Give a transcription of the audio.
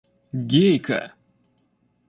– Гейка!